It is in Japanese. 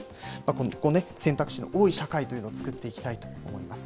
今後ね、選択肢の多い社会というのを作っていきたいと思います。